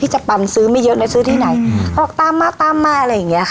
จะปันซื้อไม่เยอะเลยซื้อที่ไหนออกตามมาตามมาอะไรอย่างเงี้ค่ะ